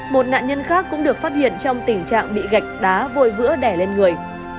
một nạn nhân khác cũng được phát hiện trong tình trạng bị gạch đá vôi vữa đẻ lên người